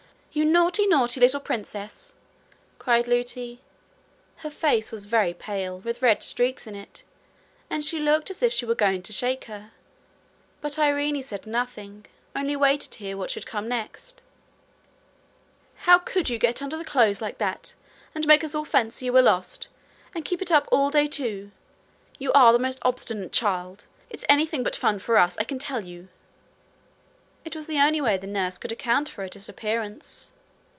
'You naughty, naughty little princess!' cried Lootie. Her face was very pale, with red streaks in it, and she looked as if she were going to shake her; but Irene said nothing only waited to hear what should come next. 'How could you get under the clothes like that, and make us all fancy you were lost! And keep it up all day too! You are the most obstinate child! It's anything but fun to us, I can tell you!' It was the only way the nurse could account for her disappearance.